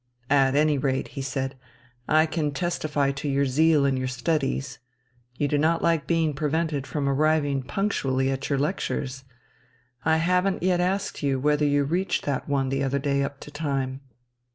"At any rate," he said, "I can testify to your zeal in your studies. You do not like being prevented from arriving punctually at your lectures. I haven't yet asked you whether you reached that one the other day up to time."